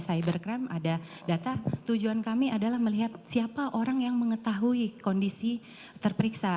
cybercrime ada data tujuan kami adalah melihat siapa orang yang mengetahui kondisi terperiksa